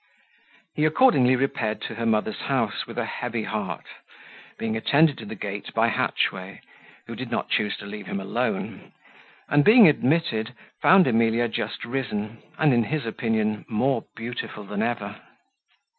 He accordingly repaired to her mother's house with a heavy heart, being attended to the gate by Hatchway, who did not choose to leave him alone; and being admitted, found Emilia just risen, and, in his opinion, more beautiful than ever.